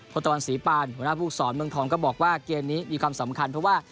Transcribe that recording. ตตะวันศรีปานหัวหน้าภูมิสอนเมืองทองก็บอกว่าเกมนี้มีความสำคัญเพราะว่า